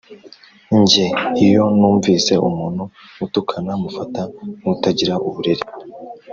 njye iyo numvise umuntu utukana, mufata nk’utagira uburere,